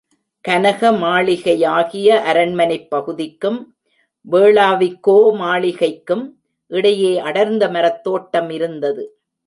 கனக மாளிகையாகிய அரண்மனைப் பகுதிக்கும், வேளாவிக்கோ மாளிகைக்கும் இடையே அடர்ந்த மரத்தோட்டம் இருந்தது.